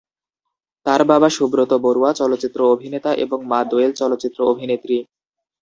তার বাবা সুব্রত বড়ুয়া চলচ্চিত্র অভিনেতা এবং মা দোয়েল চলচ্চিত্র অভিনেত্রী।